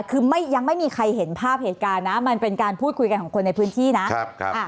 คือยังไม่มีใครเห็นภาพเหตุการณ์นะมันเป็นการพูดคุยกันของคนในพื้นที่นะครับ